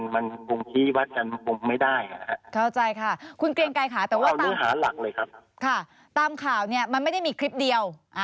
มันภูมิชีวัตรกนไม่ได้